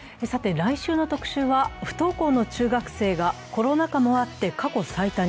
来週の特集は不登校の中学生がコロナ禍もあって過去最多に。